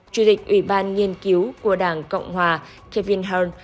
chủ tịch ủy ban nghiên cứu của đảng cộng hòa kevin hearn